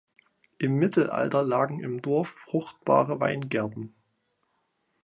Im Mittelalter lagen im Dorf fruchtbare Weingärten.